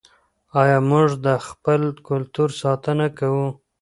آیا موږ د خپل کلتور ساتنه کوو؟